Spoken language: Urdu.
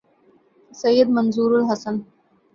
سید منظور الحسن